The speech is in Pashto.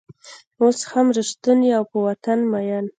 اوس هم رشتونی او په وطن مین